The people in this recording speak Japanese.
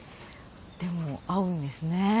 でも合うんですね